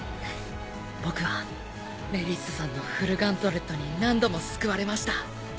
僕はメリッサさんのフルガントレットに何度も救われました。